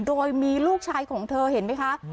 โดยมีลูกชายของเธอเห็นไหมคะ